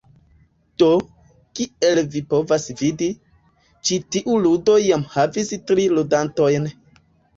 Do, kiel vi povas vidi, ĉi tiu ludo jam havas tri ludantojn.